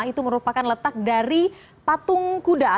itu merupakan letak dari patung kuda